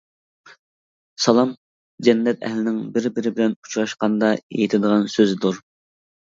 سالام جەننەت ئەھلىنىڭ بىر-بىرى بىلەن ئۇچراشقاندا ئېيتىدىغان سۆزىدۇر.